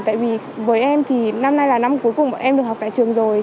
tại vì với em thì năm nay là năm cuối cùng bọn em được học tại trường rồi